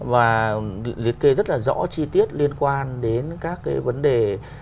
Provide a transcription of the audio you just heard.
và liệt kê rất là rõ chi tiết liên quan đến các cái vấn đề